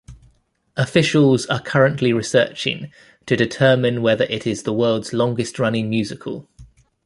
Officials are currently researching to determine whether it is the world's longest running musical.